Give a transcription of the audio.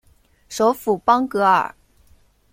首府邦戈尔。